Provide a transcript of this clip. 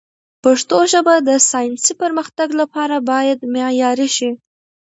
پښتو ژبه د ساینسي پرمختګ لپاره باید معیاري شي.